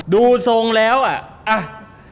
ดูทรงแล้วอ่ะ